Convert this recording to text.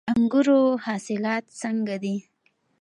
د انګورو حاصلات څنګه دي؟